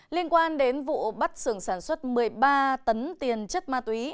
liên quan đến vụ bắt xưởng sản xuất một mươi ba tấn tiền chất ma túy